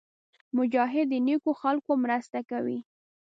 مجاهد د نېکو خلکو مرسته کوي.